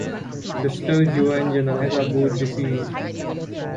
Sisters Jo and Janice are both deceased.